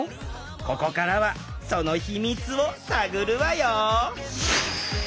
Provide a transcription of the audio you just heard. ここからはそのヒミツを探るわよ！